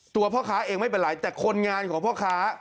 พ่อค้าเองไม่เป็นไรแต่คนงานของพ่อค้า